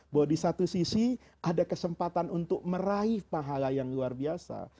bahwa di satu sisi ada kesempatan untuk meraih pahala yang luar biasa